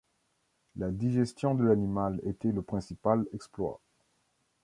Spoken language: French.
La digestion de l'animal était le principal exploit.